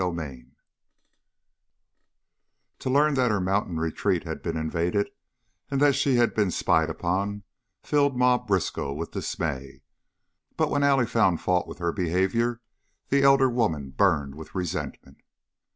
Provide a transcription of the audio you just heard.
CHAPTER XVII To learn that her mountain retreat had been invaded and that she had been spied upon filled Ma Briskow with dismay, but when Allie found fault with her behavior the elder woman burned with resentment.